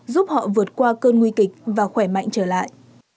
giúp họ vượt qua cơn nguy kịch và khỏe mạnh trở lại